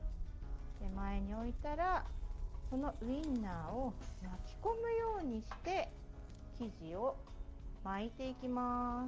手前に置いたらそのウインナーを巻き込むようにして生地を巻いていきます。